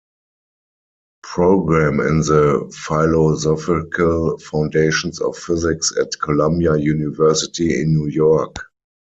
Program in The Philosophical Foundations of Physics at Columbia University in New York.